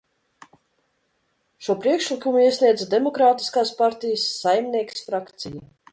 "Šo priekšlikumu iesniedza Demokrātiskās partijas "Saimnieks" frakcija."